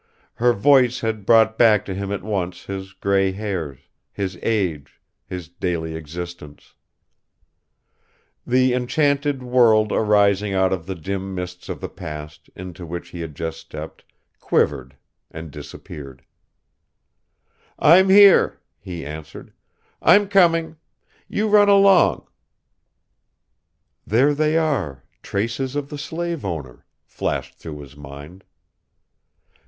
Her voice had brought back to him at once his grey hairs, his age, his daily existence ... The enchanted world arising out of the dim mists of the past, into which he had just stepped, quivered and disappeared. "I'm here," he answered; "I'm coming. You run along." "There they are, traces of the slaveowner," flashed through his mind.